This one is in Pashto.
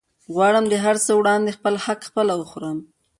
غواړم د هرڅه وړاندې خپل حق خپله وخورم